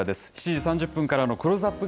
７時３０分からのクローズアップ